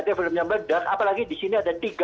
dia filmnya bedas apalagi disini ada tiga puluh